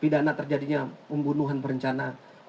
pidana terjadinya pembunuhan berencana